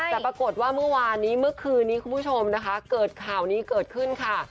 แต่ปรากฏว่าเมื่อวานนี้เมื่อคืนนี้คุณผู้ชมนะคะเกิดข่าวนี้เกิดขึ้นค่ะ